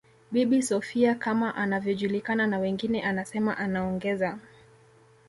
Bibi Sophia kama anavyojulikana na wengine anasema anaongeza